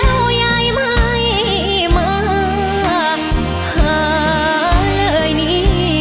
แล้วยายไม่มาหาเลยนี้